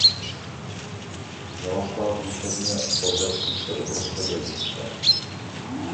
Měla stát východně od vesnice uprostřed rybníka.